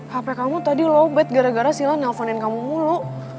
hp kamu tadi lobet gara gara sila nelfonin kamu mulu